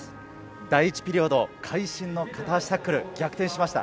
第１ピリオド、会心の片足タックル、逆転しました。